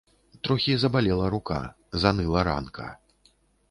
Трохі забалела рука, заныла ранка.